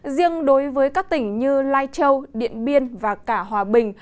riêng đối với các tỉnh như lai châu điện biên và cả hòa bình